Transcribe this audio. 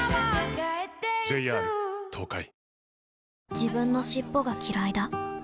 自分の尻尾がきらいだ